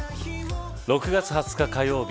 ６月２０日火曜日